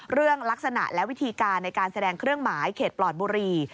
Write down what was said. เรื่องลักษณะและวิธีการในการแสดงเครื่องหมายเขตปลอดบุรี